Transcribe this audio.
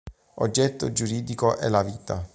Oggetto giuridico è la vita.